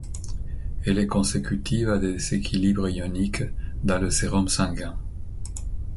Elle est consécutive à des déséquilibres ioniques dans le sérum sanguin.